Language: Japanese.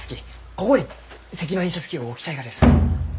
ここに石版印刷機を置きたいがです。